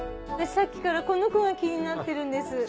さっきからこの子が気になってるんです。